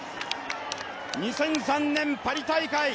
２００３年、パリ大会。